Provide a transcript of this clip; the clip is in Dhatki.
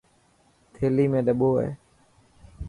ٿيلي ۾ ڏٻو هي.